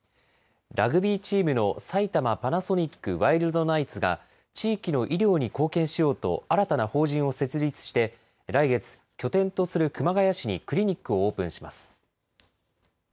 ラグビーチームの埼玉パナソニックワイルドナイツが、地域の医療に貢献しようと、新たな法人を設立して、来月、拠点とする熊谷市にクリニックをオープンします。